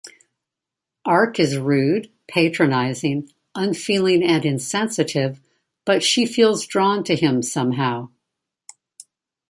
Arc is rude, patronizing, unfeeling and insensitive but she feels drawn to him somehow.